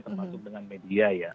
termasuk dengan media ya